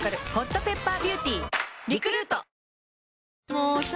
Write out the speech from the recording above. もうさ